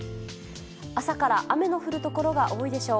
朝から雨の降るところが多いでしょう。